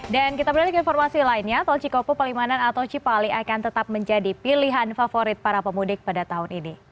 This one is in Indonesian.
dan kita beri informasi lainnya tol cikopo palimanan atau cipali akan tetap menjadi pilihan favorit para pemudik pada tahun ini